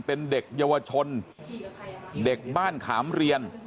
เป็นเด็กเยาวชนเด็กบ้านขามเรียน